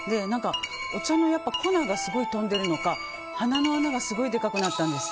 お茶の粉がすごい飛んでるのか鼻の穴がすごいでかくなったんです。